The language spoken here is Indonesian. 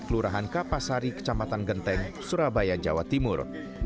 kelurahan kapasari kecamatan genteng surabaya jawa timur